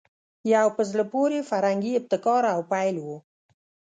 یو په زړه پورې فرهنګي ابتکار او پیل وو